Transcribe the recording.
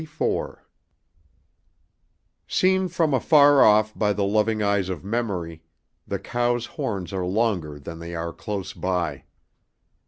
Seen from afar off by the loving eyes of memory, the cows' horns are longer than they are close by.